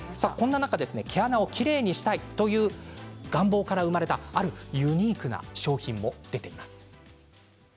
毛穴をきれいにしたいという願望から生まれたあるユニークな商品もあるんです。